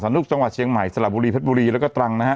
นุกจังหวัดเชียงใหม่สละบุรีเพชรบุรีแล้วก็ตรังนะฮะ